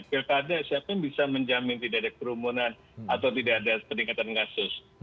pilkada siapa yang bisa menjamin tidak ada kerumunan atau tidak ada peningkatan kasus